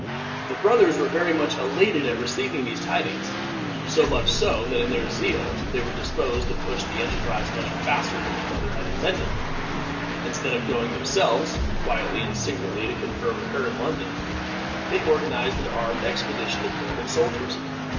The brothers were very much elated at receiving these tidings; so much so that in their zeal they were disposed to push the enterprise much faster than their mother had intended. Instead of going, themselves, quietly and secretly to confer with her in London, they organized an armed expedition of Norman soldiers.